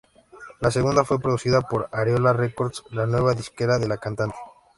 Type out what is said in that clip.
La segunda fue producida por Ariola Records, la nueva disquera de la cantante.